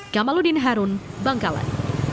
kamaludin harun bangkalan